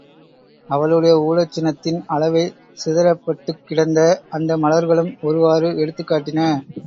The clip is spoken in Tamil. அவளுடைய ஊடற்சினத்தின் அளவைச் சிதறப்பட்டுக் கிடந்த அந்த மலர்களும் ஒருவாறு எடுத்துக் காட்டின.